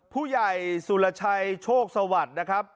ผู้ใหญ่สุรชัยโชคสวัสดิ์นะครับ